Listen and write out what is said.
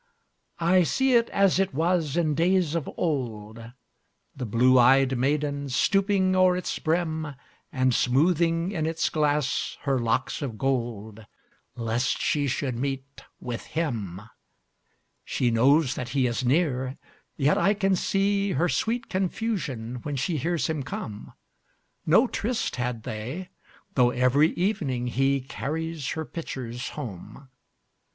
I see it as it was in days of old, The blue ey'd maiden stooping o'er its brim, And smoothing in its glass her locks of gold, Lest she should meet with him. She knows that he is near, yet I can seeHer sweet confusion when she hears him come.No tryst had they, though every evening heCarries her pitchers home.